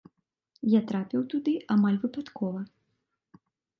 Я трапіў туды амаль выпадкова.